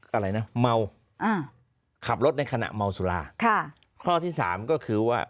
อะไรนะเมาอ่าขับรถในขณะเมาสุราค่ะข้อที่สามก็คือว่า